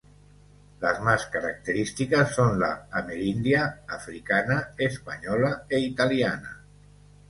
Las más características son la amerindia, africana, española e italiana.